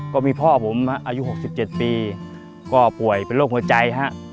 ก็มีพ่อผมอายุ๖๗ปีก็ป่วยเป็นโรคหัวใจฮะ